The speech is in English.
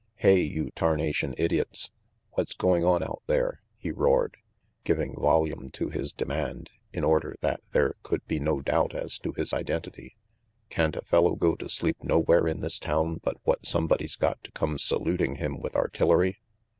"Hey, you tarnation idiots! What's going on out there?" he roared, giving volume to his demand in order that there could be no doubt as to his identity. "Can't a fellow go to sleep nowhere in this town but what somebody's got to come saluting him with artillery?"